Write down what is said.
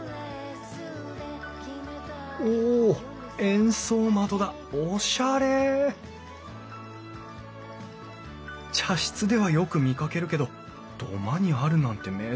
円相窓だおしゃれ茶室ではよく見かけるけど土間にあるなんて珍しい。